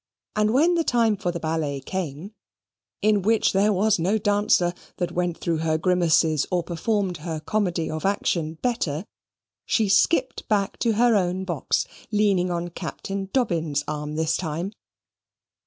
And when the time for the ballet came (in which there was no dancer that went through her grimaces or performed her comedy of action better), she skipped back to her own box, leaning on Captain Dobbin's arm this time.